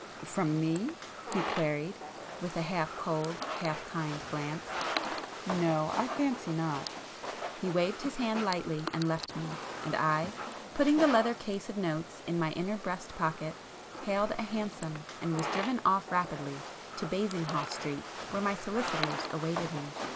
"From me?" he queried, with a half cold half kind glance; "No,—I fancy not!" He waved his hand lightly and left me, and I, putting the leather case of notes in my inner breast pocket, hailed a hansom and was driven off rapidly to Basinghall Street where my solicitors awaited me.